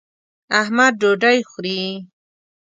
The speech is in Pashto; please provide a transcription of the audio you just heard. احمد ډوډۍ خوري.